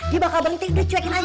dia bakal berhenti udah cuekin aja